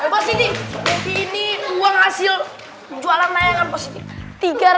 pak siti ini uang hasil jualan layanan